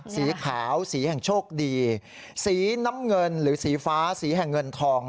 สีขาวสีแห่งโชคดีสีน้ำเงินหรือสีฟ้าสีแห่งเงินทอง